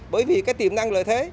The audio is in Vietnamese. bởi vì tiềm năng lợi thế